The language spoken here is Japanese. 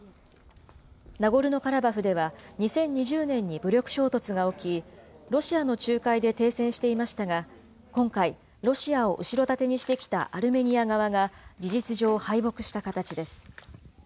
ナゴルノカラバフでは、２０２０年に武力衝突が起き、ロシアの仲介で停戦していましたが、今回、ロシアを後ろ盾にしてきたアルメニア側が事実上、敗北した形です。